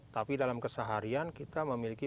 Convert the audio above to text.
tapi dalam keseharian kita memiliki